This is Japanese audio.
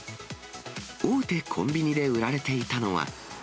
大手コンビニで売られていたのは。